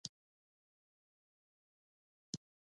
موږ افغانان مجاهد ملت یو.